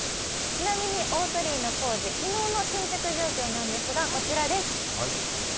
ちなみに大鳥居の工事、昨日の進捗状況なんですがこちらです。